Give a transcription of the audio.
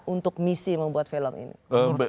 untuk misi membuat film ini